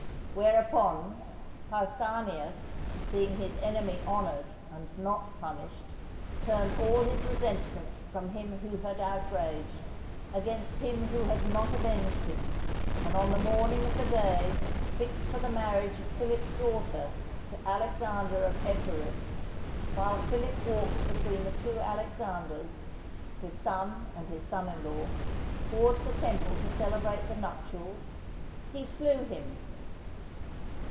Whereupon, Pausanias, seeing his enemy honoured and not punished, turned all his resentment from him who had outraged, against him who had not avenged him, and on the morning of the day fixed for the marriage of Philip's daughter to Alexander of Epirus, while Philip walked between the two Alexanders, his son and his son in law, towards the temple to celebrate the nuptials, he slew him.